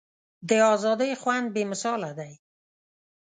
د ازادۍ خوند بې مثاله دی.